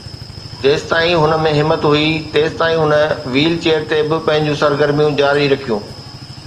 جيستائين هن ۾ همت هئي، تيستائين هن ويل چيئر تي به پنهنجون سرگرميون جاري رکيون